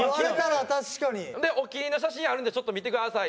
お気に入りの写真あるんでちょっと見てください。